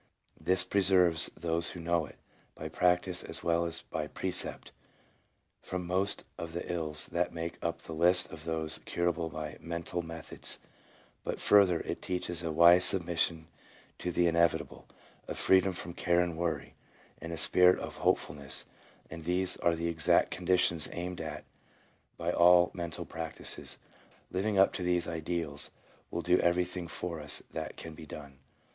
This preserves those who know it, by practice as well as by precept, from most of the ills that make up the list of those curable by mental methods; but further, it teaches a wise submission to the inevitable, a freedom from care and worry, and a spirit of hopefulness, and these are the exact conditions aimed at by all mental practices. Living up to these ideals will do every thing for us that can be done."